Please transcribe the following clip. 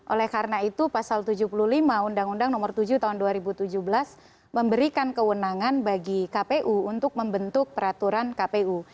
oleh karena itu pasal tujuh puluh lima undang undang nomor tujuh tahun dua ribu tujuh belas memberikan kewenangan bagi kpu untuk membentuk peraturan kpu